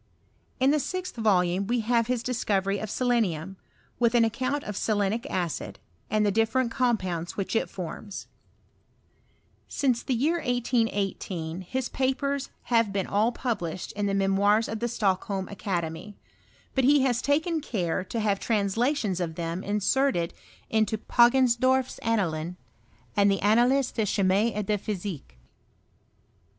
In the sixth volume we have his discovery of sele nium, with an account of selenic acid, and the dil feient compounds which it forms. Sbce the year 1818 Ms papers have been all pub Ikbed in the Memoirs of the Stockholm Academy; I I 324 HUTOKY OF CHEIiIISTaT. but he has taken care to have translations of them ' inserted into Poggensdorf's Annalen, and the An nales de Chimie et de Physique.